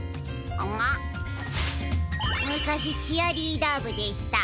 むかしチアリーダーぶでした。